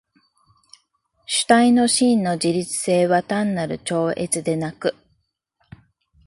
主体の真の自律性は単なる超越でなく、